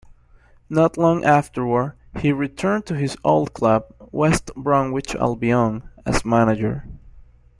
Not long afterward he returned to his old club, West Bromwich Albion, as manager.